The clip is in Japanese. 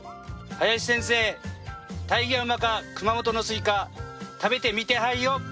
林先生たいぎゃ甘か熊本のスイカ食べてみてはいよ。